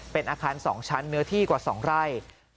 เป็นอาคาร๒ชั้นเนื้อที่กว่า๒ไร่